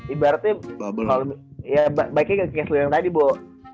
ibaratnya kalo ya baiknya ke case lu yang tadi boh